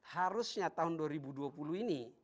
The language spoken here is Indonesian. harusnya tahun dua ribu dua puluh ini